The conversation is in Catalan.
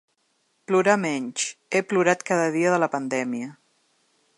Plorar menys: he plorat cada dia de la pandèmia.